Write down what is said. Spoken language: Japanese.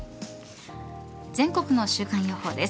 全国の週間予報です。